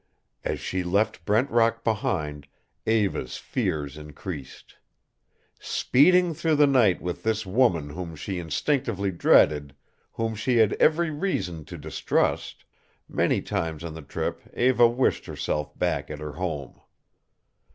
As she left Brent Rock behind, Eva's fears increased. Speeding through the night with this woman whom she instinctively dreaded, whom she had every reason to distrust, many times on the trip Eva wished herself back at her home.